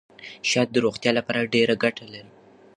شات د روغتیا لپاره ډېره ګټه لري.